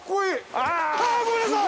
あ！ごめんなさい！